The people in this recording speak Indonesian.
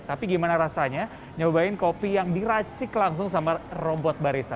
tapi gimana rasanya nyobain kopi yang diracik langsung sama robot barista